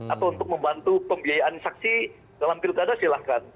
atau untuk membantu pembiayaan saksi dalam pilkada silahkan